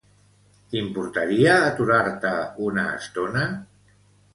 T'importaria aturar-te una estona?